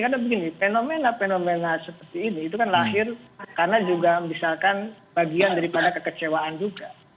karena begini fenomena fenomena seperti ini itu kan lahir karena juga misalkan bagian daripada kekecewaan juga